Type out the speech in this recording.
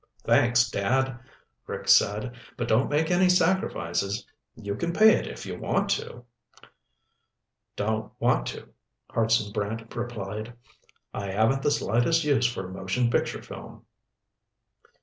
"Thanks, Dad," Rick said. "But don't make any sacrifices. You can pay it if you want to." "Don't want to," Hartson Brant replied. "I haven't the slightest use for motion picture film."